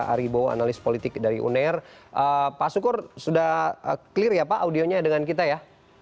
ari bowo analis politik dari uner pak sukur sudah clear ya pak audionya dengan kita ya